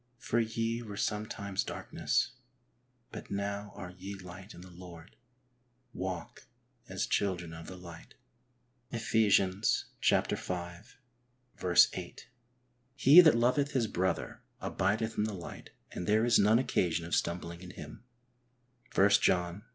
For ye were sometimes darkness, but now are ye light in the Lord ; walk as children of the light " {Ephesians v. 8). " He that loveth his brother abideth in the light, and there is none occasion of stumbling in him (i John ii.